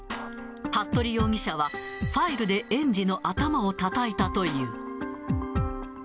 服部容疑者は、ファイルで園児の頭をたたいたという。